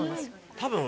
多分。